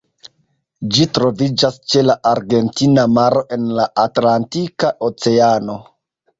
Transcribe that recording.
Ĝi troviĝas ĉe la Argentina Maro en la Atlantika Oceano.